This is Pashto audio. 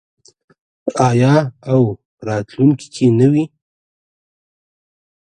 آیا او په راتلونکي کې نه وي؟